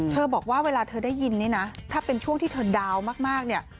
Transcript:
บอกว่าเวลาเธอได้ยินเนี่ยนะถ้าเป็นช่วงที่เธอดาวมากเนี่ย